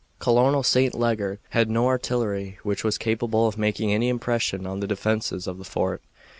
Colonel St. Leger had no artillery which was capable of making any impression on the defenses of the fort.